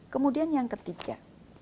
kemudian yang ketiga